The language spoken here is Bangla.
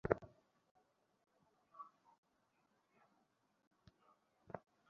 অর্থাৎ একটা থেকে আরেকটায় বৈদ্যুতিক চৌম্বক বলের খবর পৌঁছাতে সময়ই লাগবে না।